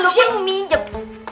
lu kan mau minjem